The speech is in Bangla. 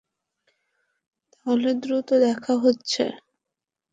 তাহলে দ্রুত দেখা হচ্ছে।